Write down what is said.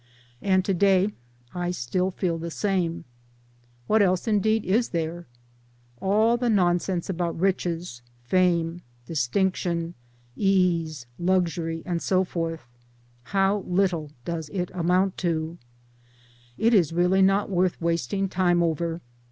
And to day, I still feel the same. What else indeed is there? All the nonsense about riches, fame, distinction, ease, luxury and so forth how little does it amount to 1 It really is not worth wasting] time over.